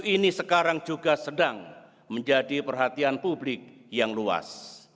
ini sekarang juga sedang menjadi perhatian publik yang luas